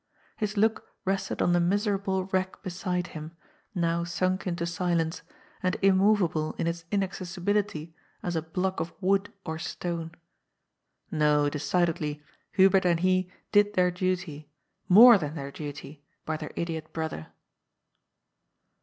His look rested on the miserable wreck beside him, now sunk into silence, and immovable in its inaccessibility as a block of wood or stone. No, decidedly, Hubert and he did their duty, more than their duty, by their idiot brother.